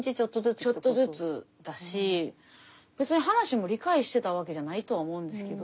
ちょっとずつだし別に話も理解してたわけじゃないとは思うんですけど。